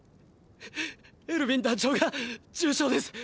エルヴィン団長が重傷です。